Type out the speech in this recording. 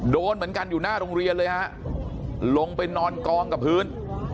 โดนเหมือนกันอยู่หน้าโรงเรียนเลยฮะลงไปนอนกองกับพื้น